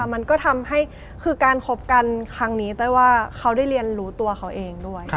มันก็ทำให้คือการคบกันครั้งนี้เต้ยว่าเขาได้เรียนรู้ตัวเขาเองด้วย